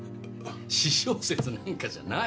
私小説なんかじゃない。